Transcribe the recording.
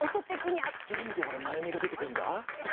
何で俺マユミが出てくるんだ？